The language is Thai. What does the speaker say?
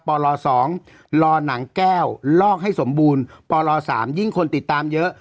ปล๒ลอหนังแก้วลอกให้สมบูรณ์ปล๓ยิ่งคนติดตามเยอะ